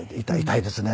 痛いですね。